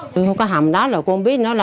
có cá hồng đó là cô không biết